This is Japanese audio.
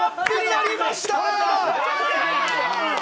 やりました。